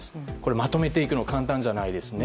まとめていくの簡単じゃないですね。